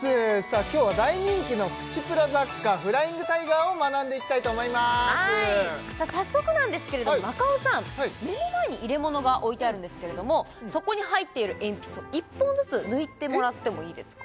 今日は大人気のプチプラ雑貨フライングタイガーを学んでいきたいと思います早速なんですけれども中尾さん目の前に入れ物が置いてあるんですけれどもそこに入っている鉛筆を１本ずつ抜いてもらってもいいですか？